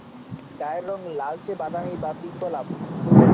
গায়ের রং লালচে বাদামী বা পিংগলাভ।